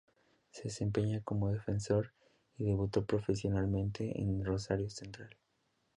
Se desempeñaba como defensor y debutó profesionalmente en Rosario Central.